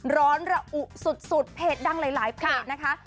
ร้อนและอุ้งสุดเปธน์ดังหลายค่ะ